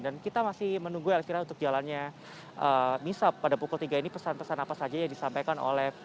dan kita masih menunggu elvira untuk jalannya misa pada pukul tiga ini pesan pesan apa saja yang disampaikan oleh pendeta